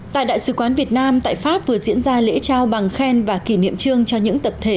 tại đại sứ quán việt nam tại pháp vừa diễn ra lễ trao bằng khen và kỷ niệm trương cho những tập thể